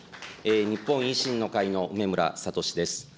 日本維新の会の梅村聡です。